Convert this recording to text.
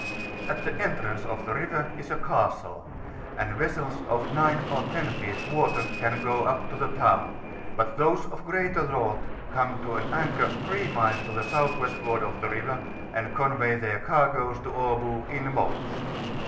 At the entrance of the river is a castle, and vesseb of 9 or 10 feet water can go up to the town; but those of greater draught come to an anchor 3 miles to the south westward of the river, and convey their cai^oes to Abo in boats.